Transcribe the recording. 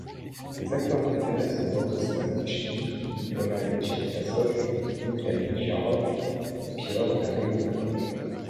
Ses acteurs préférés sont Boris Babotchkine, Nikolaï Tcherkassov, Mikhaïl Jarov, Piotr Aleïnikov.